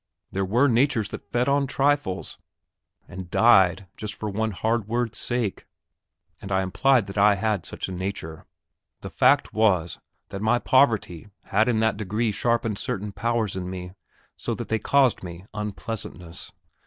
There were natures that fed on trifles, and died just for one hard word's sake; and I implied that I had such a nature. The fact was, that my poverty had in that degree sharpened certain powers in me, so that they caused me unpleasantness.